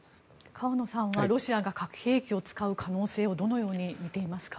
河野さんはロシアが核兵器を使う可能性をどう見ていますか？